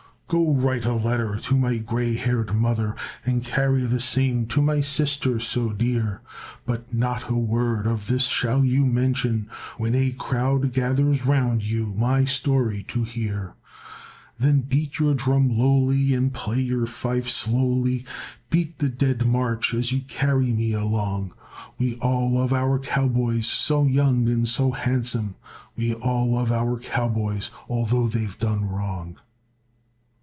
"Go write a letter to my gray haired mother, And carry the same to my sister so dear; But not a word of this shall you mention When a crowd gathers round you my story to hear. "Then beat your drum lowly and play your fife slowly, Beat the Dead March as you carry me along; We all love our cowboys so young and so handsome, We all love our cowboys although they've done wrong.